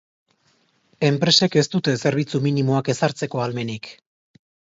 Enpresek ez dute zerbitzu minimoak ezartzeko ahalmenik.